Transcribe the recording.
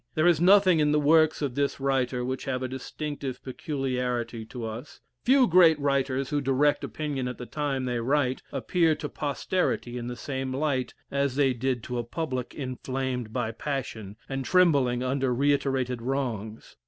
There is nothing in the works of this writer which have a distinctive peculiarity to us; few great writers who direct opinion at the time they write, appear to posterity in the same light as they did to a public inflamed by passion, and trembling under reiterated wrongs.